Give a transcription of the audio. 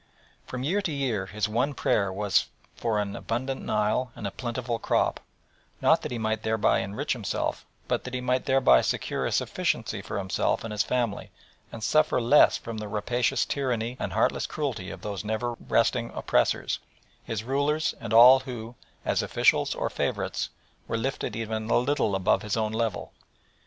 From year to year his one prayer was for an abundant Nile and a plentiful crop, not that he might thereby enrich himself, but that he might thereby secure a sufficiency for himself and his family and suffer less from the rapacious tyranny and heartless cruelty of those never resting oppressors, his rulers and all who, as officials or favourites, were lifted even a little above his own level.